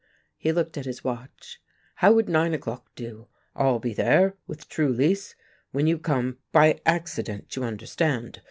He looked at his watch. "How would nine o'clock do? I'll be there, with Trulease, when you come, by accident, you understand.